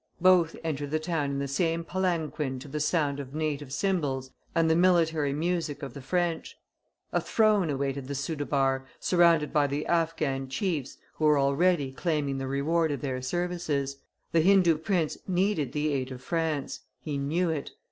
Both entered the town in the same palanquin to the sound of native cymbals and the military music of the. French. A throne awaited the soudhabar, surrounded by the Affghan chiefs, who were already claiming the reward of their services. The Hindoo prince needed the aid of France; he knew it.